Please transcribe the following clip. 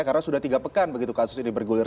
karena sudah tiga pekan begitu kasus ini bergulir